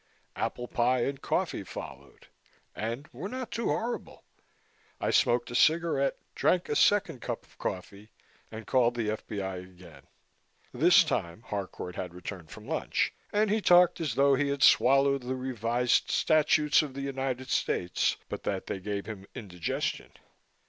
Apple pie and coffee followed, and were not too horrible. I smoked a cigarette, drank a second cup of coffee, and called the F.B.I. again. This time Harcourt had returned from lunch and he talked as though he had swallowed the Revised Statutes of the United States but that they gave him indigestion.